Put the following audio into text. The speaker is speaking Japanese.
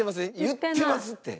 言ってますって。